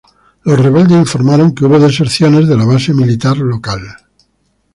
Los rebeldes informaron que hubo deserciones de la base militar local.